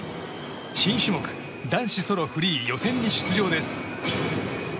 新種目、男子ソロフリー予選に出場です。